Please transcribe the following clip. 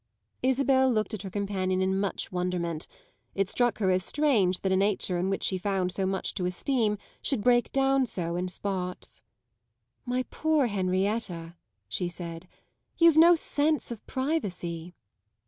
Isabel looked at her companion in much wonderment; it struck her as strange that a nature in which she found so much to esteem should break down so in spots. "My poor Henrietta," she said, "you've no sense of privacy."